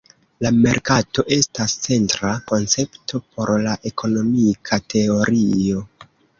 La merkato estas centra koncepto por la ekonomika teorio.